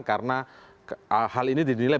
karena hal ini didilai